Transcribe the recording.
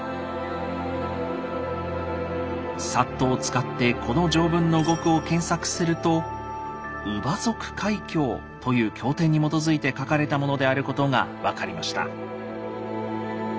ＳＡＴを使ってこの条文の語句を検索すると「優婆塞戒経」という経典に基づいて書かれたものであることが分かりました。